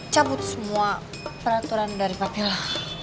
cabut semua peraturan dari papi lo